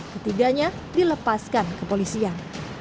ketidaknya dilepaskan kepolisian